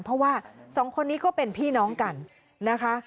เพราะว่าสองคนนี้ก็เป็นพี่น้องกันนะคะ